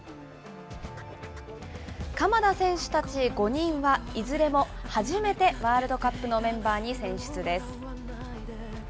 鎌田選手たち５人はいずれも初めてワールドカップのメンバーに選出です。